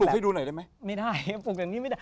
ปลุกให้ดูหน่อยได้ไหม